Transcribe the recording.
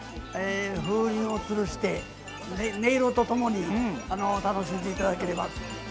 風鈴をつるして、音色とともに楽しんでいただければ。